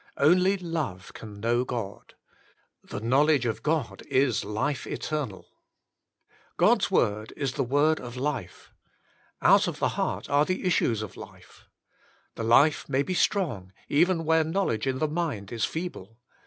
Only love can know God. The knowledge of God is life eternal. 6i 62 The Inner Chamber God's Word is the word of life. Out of the heart are the issues of life. The life may be strong, even where knowledge in the mind is feeble.